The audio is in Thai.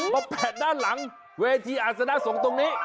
แปะด้านหลังเวทีอาศนสงฆ์ตรงนี้